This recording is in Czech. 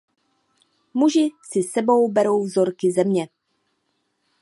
Muži si s sebou berou vzorky země.